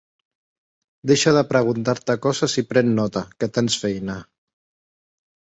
Deixa de preguntar-te coses i pren nota, que tens feina.